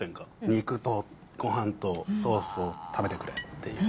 肉とごはんとソースを食べてくれっていう。